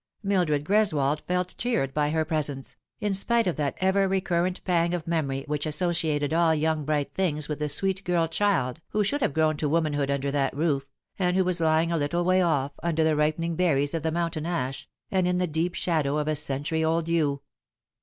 Mildred G reswold felt cheered by her presence, in spite of that ever recurrent pang of memory which associated all young bright things with the sweet girl child who should have grown to womanhood under that roof, and who was lying a little way off, under the ripening berries of the mountain ash, and in the deep shadow of a century old yew.